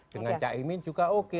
dengan caimin juga oke